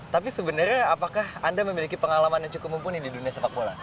tapi sebenarnya apakah anda memiliki pengalaman yang cukup mumpuni di dunia sepak bola